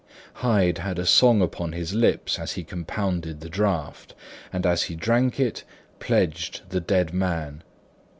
Hyde had a song upon his lips as he compounded the draught, and as he drank it, pledged the dead man.